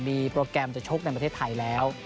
มีโปรแกรมจะชกในประเทศไทยแล้ว